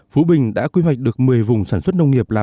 phú bình đã quy hoạch được một mươi vùng sản xuất nông nghiệp